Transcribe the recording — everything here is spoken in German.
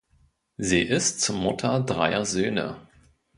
Sie ist Mutter dreier Söhne.